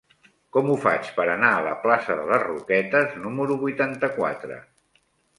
Com ho faig per anar a la plaça de les Roquetes número vuitanta-quatre?